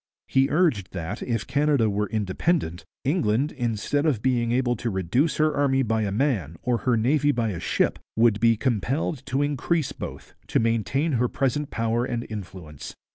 He urged that, if Canada were independent, 'England, instead of being able to reduce her army by a man or her navy by a ship, would be compelled to increase both, to maintain her present power and influence.'